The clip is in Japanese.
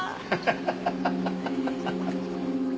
ハハハハハハ。